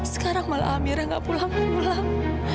sekarang malah amirah gak pulang pulang